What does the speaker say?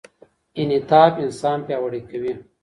انعطاف انسان پیاوړی کوي.